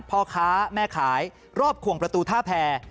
พ่อค้าแม่ขายรอบควงประตูท่าแพร